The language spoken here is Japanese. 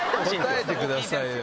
答えてくださいよ。